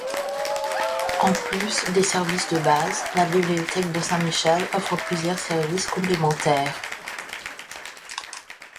En plus des services de base, la bibliothèque de Saint-Michel offre plusieurs services complémentaires.